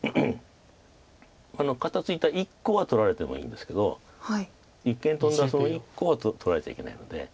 肩ツイた１個は取られてもいいんですけど一間トンだその１個は取られちゃいけないので。